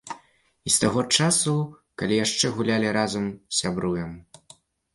І з таго часу, калі яшчэ гулялі разам, сябруем.